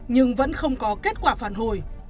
nhưng vẫn không có kết quả phản hồi